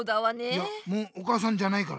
いやもうお母さんじゃないから。